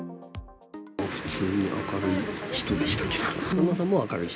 普通に明るい人でしたけど。